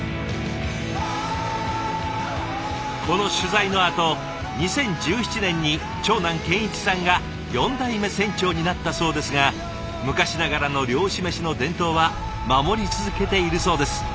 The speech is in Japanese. この取材のあと２０１７年に長男健一さんが４代目船長になったそうですが昔ながらの漁師メシの伝統は守り続けているそうです。